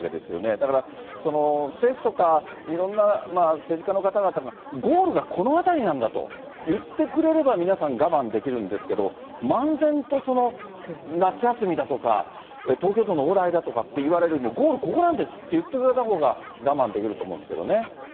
だから政府とかいろんな政治家の方々が、ゴールがこの辺りなんだと、言ってくれれば皆さん、我慢できるんですけれども、漫然とその夏休みだとか、東京都の往来だとかって言われるよりも、ゴールここなんですって言ってくれたほうが、我慢できると思うんですけどね。